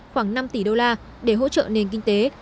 khoảng năm tỷ đô la để hỗ trợ nền kinh tế